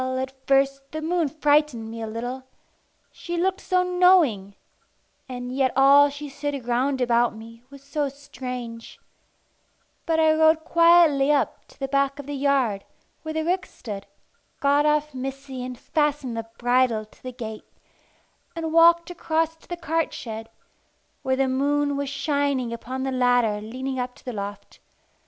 Well, at first, the moon frightened me a little she looked so knowing, and yet all she said round about me was so strange. But I rode quietly up to the back of the yard where the ricks stood, got off Missy and fastened the bridle to the gate, and walked across to the cart shed, where the moon was shining upon the ladder leading up to the loft.